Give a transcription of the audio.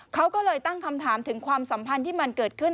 เขาก็เลยตั้งคำถามถึงความสัมพันธ์ที่มันเกิดขึ้น